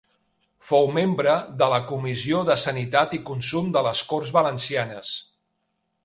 Fou membre de la Comissió de Sanitat i Consum de les Corts Valencianes.